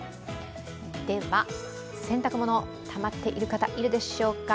では、洗濯物たまっている方、いるでしょうか。